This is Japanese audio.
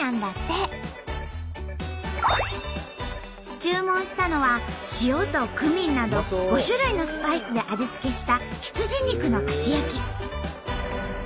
注文したのは塩とクミンなど５種類のスパイスで味付けした羊肉の串焼き。